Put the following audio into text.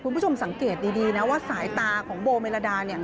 คุณผู้ชมสังเกตดีนะว่าสายตาของโบเมลดาเนี่ย